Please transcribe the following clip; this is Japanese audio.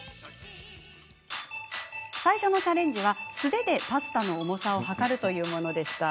最初のチャレンジは素手でパスタの重さを測るというものでした。